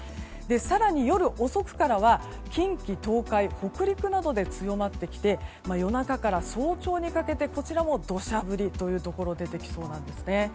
更に、夜遅くからは近畿、東海、北陸などで強まってきて夜中から早朝にかけてこちらも土砂降りというところが出てきそうです。